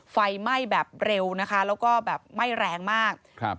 ไฟไหม้แบบเร็วนะคะแล้วก็แบบไหม้แรงมากครับ